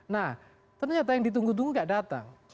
nah ternyata yang ditunggu tunggu nggak datang